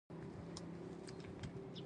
باید هڅه وکړو تل په ادب سره خبرې وکړو.